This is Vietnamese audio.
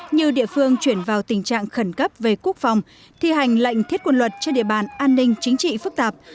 như địa phương chuyển vào tình trạng khẩn cấp về quốc phòng thi hành lệnh thiết quân luật trên địa bàn an ninh chính trị phức tạp